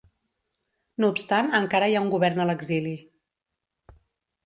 No obstant encara hi ha un govern a l'exili.